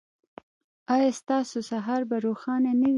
ایا ستاسو سهار به روښانه نه وي؟